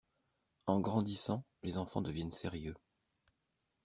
En grandissant, les enfants deviennent sérieux.